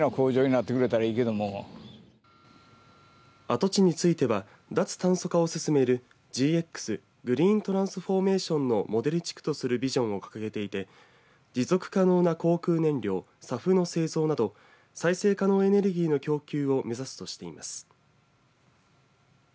跡地については脱炭素化を進めるＧＸ、グリーントランスフォーメーションのモデル地区とするビジョンを掲げていて持続可能な航空燃料ＳＡＦの製造など再生可能エネルギーの供給を目指すとしています。